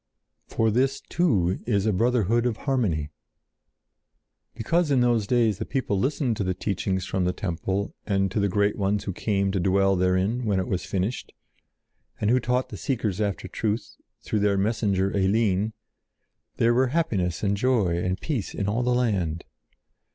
For this too is a brotherhood of harmony." Because in those days the people listened to the teachings from the temple and to the great ones who came to dwell therein when it was finished, and who taught the seekers after truth, through their messenger Eline, there were happiness and joy and peace in all the land.